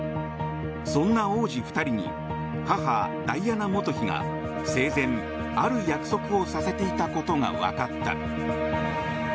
そんな王子２人に母ダイアナ元妃が生前、ある約束をさせていたことが分かった。